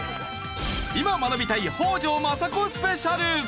今学びたい北条政子スペシャル！